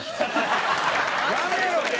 やめろや！